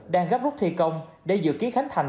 đang gấp rút thi công để dự kiến khánh thành